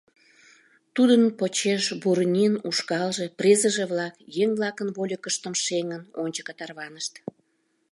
Тудын почеш Бурнин ушкалже, презыже-влак, еҥ-влакын вольыкыштым шеҥын, ончыко тарванышт.